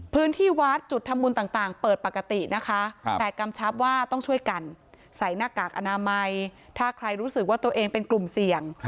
พื้นที่วัดจุดทำบุญต่างเปิดปกตินะคะแต่กำชับว่าต้องช่วยกันใส่หน้ากากอนามัยถ้าใครรู้สึกว่าตัวเองเป็นกลุ่มเสี่ยง